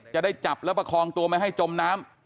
จะได้จับแล้วประคองตัวไม่ให้จมน้ำ